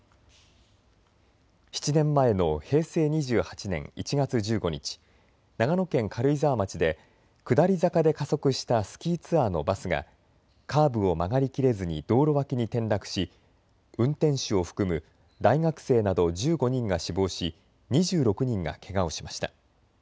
７年前の平成２８年１月１５日、長野県軽井沢町で下り坂で加速したスキーツアーのバスがカーブを曲がりきれずに道路脇に転落し運転手を含む大学生など１５人が死亡し２６人がけがをしました。